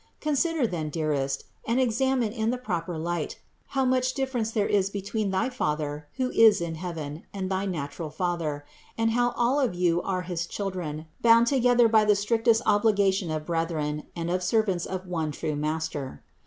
Consider then, dearest, and examine in the proper light, how much difference there is between thy Father who is in heaven and thy natural father, and how all of you are his children, bound together by the strictest THE INCARNATION 67 obligation of brethren and of servants of one true Master.